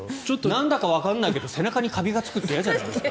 なんだかわからないけど背中にカビがつくって嫌じゃないですか？